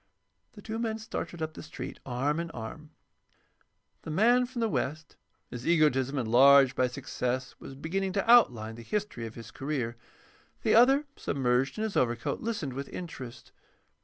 The two men started up the street, arm in arm. The man from the West, his egotism enlarged by success, was beginning to outline the history of his career. The other, submerged in his overcoat, listened with interest.